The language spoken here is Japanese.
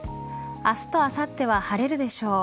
明日とあさっては晴れるでしょう。